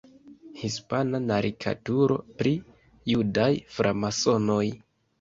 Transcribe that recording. Hispana karikaturo pri "judaj framasonoj".